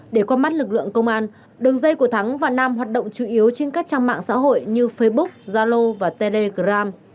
để qua mắt lực lượng công an đường dây của thắng và nam hoạt động chủ yếu trên các trang mạng xã hội như facebook zalo và telegram